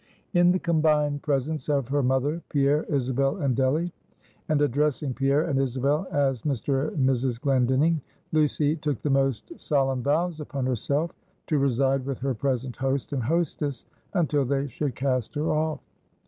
In the combined presence of her mother, Pierre, Isabel, and Delly; and addressing Pierre and Isabel as Mr. and Mrs. Glendinning; Lucy took the most solemn vows upon herself, to reside with her present host and hostess until they should cast her off.